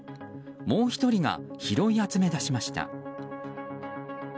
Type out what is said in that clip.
もう１人が、拾い集めだしました。